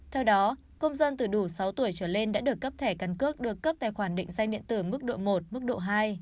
theo đó công dân từ đủ sáu tuổi trở lên đã được cấp tài khoản định danh điện tử mức độ một mức độ hai